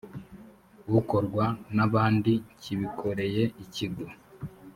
ukorwa n abandi kibikoreye ikigo